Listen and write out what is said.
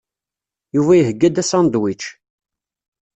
Yuba iheyya-d asandwič.